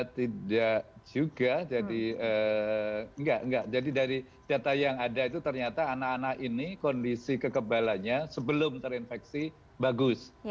tidak juga jadi enggak enggak jadi dari data yang ada itu ternyata anak anak ini kondisi kekebalannya sebelum terinfeksi bagus